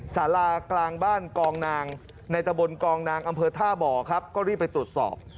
สารากลางบ้านกองนางในตะบนกองนางอำเภอท่าบ่อครับก็รีบไปตรวจสอบ